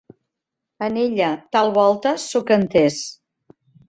En ella, tal volta, sóc entès;